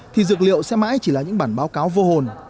thì dược liệu sẽ mãi chỉ là những bản bản